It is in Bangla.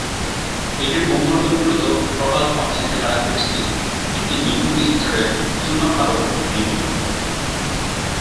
এর ভূখণ্ড মূলত প্রবাল প্রাচীর দ্বারা বেষ্টিত একটি নিম্ন-স্তরের চুনাপাথর নির্ভর।